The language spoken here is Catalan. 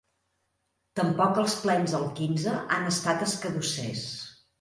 Tampoc els plens al quinze han estat escadussers.